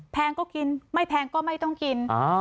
แพงก็กินไม่แพงก็ไม่ต้องกิน